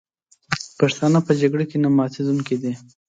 پښتانه په جګړه کې نه ماتېدونکي دي.